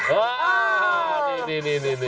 อ่าดี